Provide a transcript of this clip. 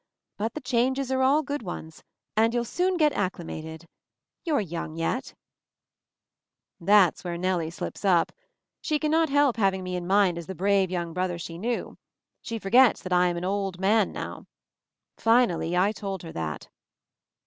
But the changes are all good ones, and you'll soon get — acclimated. You're young yet " MOVING THE MOUNTAIN 21 That's where Nellie slips up. She cannot help having me in mind as the brave young brother she knew. She forgets that I am an old man now. Finally I told her that.